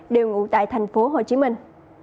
đều ngủ tại thành phố hồ chí minh